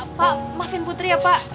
aduh pak maafin putri ya pak